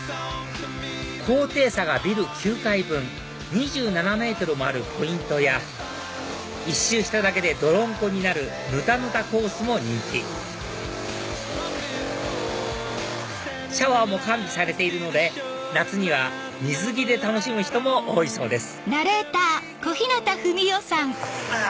高低差がビル９階分２７ｍもあるポイントや１周しただけで泥んこになるぬたぬたコースも人気シャワーも完備されているので夏には水着で楽しむ人も多いそうですはぁ！